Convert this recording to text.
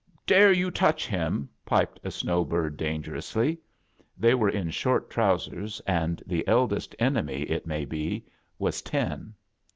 "Dare you to touch himl" piped a snow bird, dangerously. They were in short trousers, and the eldest enemy, it may be, was ten.